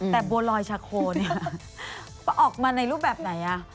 แต่บัวลอยชาโคเนี่ยออกมาในรูปแบบไหน